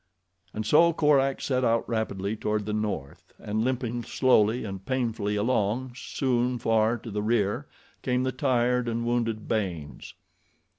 And so Korak set out rapidly toward the North, and limping slowly and painfully along, soon far to the rear, came the tired and wounded Baynes.